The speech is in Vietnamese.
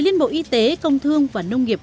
liên bộ y tế công thương và nông nghiệp